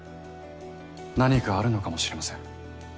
何かあるのかもしれません。